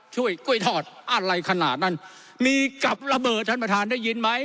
กล้วยทอดอะไรขนาดนั้นมีกับระเบิดท่านประธานได้ยินไหม